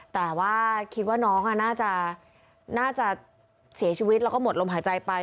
แต่ว่าคิดว่าน้องน่าจะเสียชีวิตแล้วก็หมดลมหายใจไป